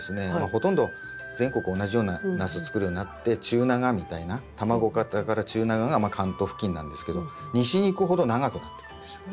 ほとんど全国同じようなナス作るようになって中長みたいな卵形から中長がまあ関東付近なんですけど西に行くほど長くなっていくんですよ。